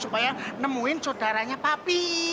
supaya nemuin sodaranya papi